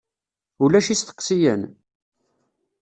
Ulac isteqsiyen?